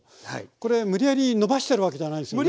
これ無理やり伸ばしてるわけじゃないですよね？